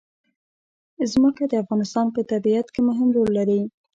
ځمکه د افغانستان په طبیعت کې مهم رول لري.